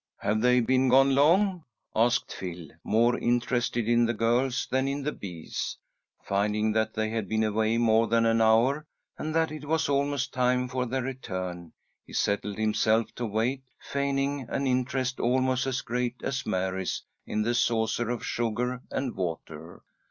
"Have they been gone long?" asked Phil, more interested in the girls than in the bees. Finding that they had been away more than an hour, and that it was almost time for their return, he settled himself to wait, feigning an interest almost as great as Mary's in the saucer of sugar and water.